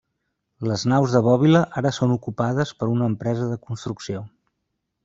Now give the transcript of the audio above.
Les naus de bòbila ara són ocupades per una empresa de construcció.